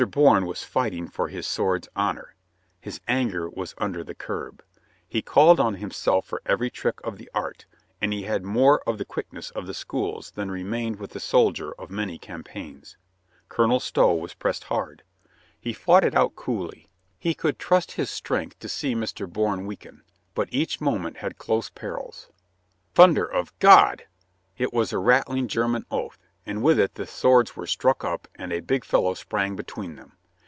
Bourne was fighting for his sword's honor. His anger was under the curb. He called on himself for every trick of the art, and he had more of the quickness of the schools than re mained with the soldier of many campaigns. Colonel Stow was pressed hard. He fought it out coolly. He 114 COLONEL GREATHEART could trust his strength to see Mr. Bourne weaken. But each minute had close perils. "Thunder of God!" It was a rattling German oath, and with it the swords were struck up and a big fellow sprang between them.